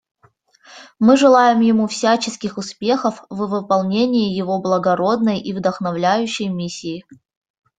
Мы желаем ему всяческих успехов в выполнении его благородной и вдохновляющей миссии.